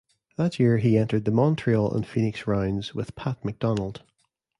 That year he entered the Montreal and Phoenix rounds with Pat MacDonald.